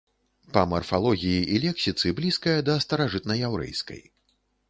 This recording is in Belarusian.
Па марфалогіі і лексіцы блізкая да старажытнаяўрэйскай.